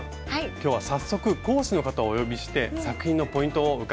今日は早速講師の方をお呼びして作品のポイントを伺っていこうと思います。